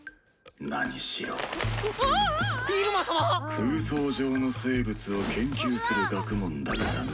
空想上の生物を研究する学問だからね。